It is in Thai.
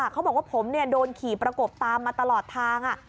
เขาบอกว่าผมโดนขี่ประกบตามมาตลอดทาง